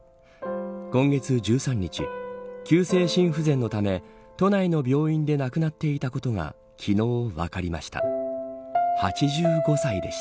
今月１３日急性心不全のため都内の病院で亡くなっていたことが昨日分かりました。